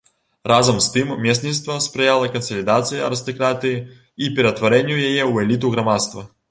Разам з тым месніцтва спрыяла кансалідацыі арыстакратыі і ператварэнню яе ў эліту грамадства.